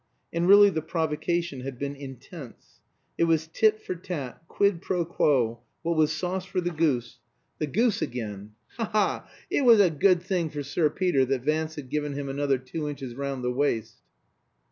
And really the provocation had been intense. It was tit for tat, quid pro quo, what was sauce for the goose the goose again! Ha! ha! ha! It was a good thing for Sir Peter that Vance had given him another two inches round the waist.